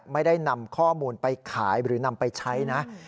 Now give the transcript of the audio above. ไม่ได้นำข้อมูลไปขายหรือนำไปใช้นะ